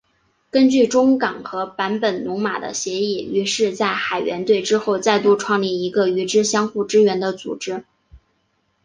根据中冈和坂本龙马的协议于是在海援队之后再度创立一个与之相互支援的组织。